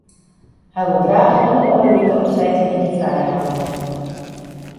Hy woe graach om 'e oare wike op freedtemiddei frij hawwe.